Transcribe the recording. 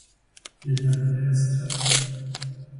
Vielen Dank für den ersten Teil.